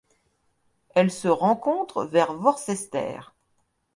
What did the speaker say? Elle se rencontre vers Worcester.